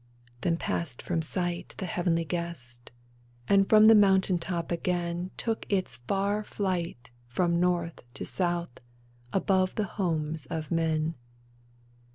" Then passed from sight the heavenly guest, And from the mountain top again Took its far flight from North to South, Above the homes of men.